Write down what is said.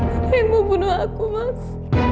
ada yang mau bunuh aku mas